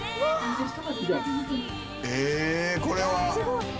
えこれは。